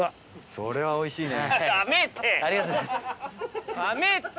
それはおいしいよね。